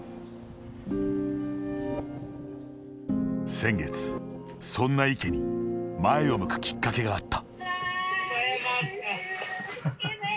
先月、そんな池に前を向くきっかけがあった。